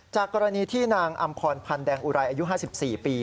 จากกรณีที่นางอำพรพันธ์แดงอุไรอายุ๕๔ปี